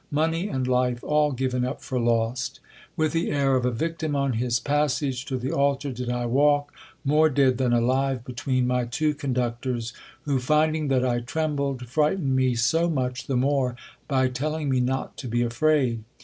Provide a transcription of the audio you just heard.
Money and life, all given up for lost ! With the air of a victim on his passage to the altar did I walk, more dead than alive, between my two conductors, who finding that I trembled, frightened me so much the more by telling me not to be afraid.